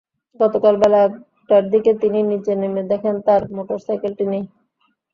গতকাল বেলা একটার দিকে তিনি নিচে নেমে দেখেন তাঁর মোটরসাইকেলটি নেই।